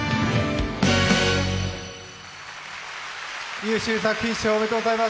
優秀作品賞おめでとうございます。